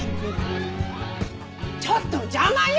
ちょっと邪魔よ！